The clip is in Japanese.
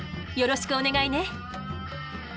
よろしくお願いね。